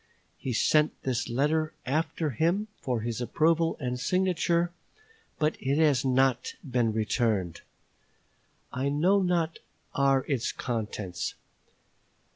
He sent this letter after him for his approval and signature; but it has not been returned. I know not what are its contents.